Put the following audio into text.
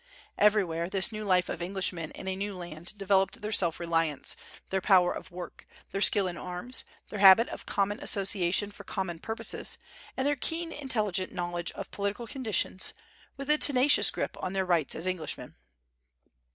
Everywhere, this new life of Englishmen in a new land developed their self reliance, their power of work, their skill in arms, their habit of common association for common purposes, and their keen, intelligent knowledge of political conditions, with a tenacious grip on their rights as Englishmen.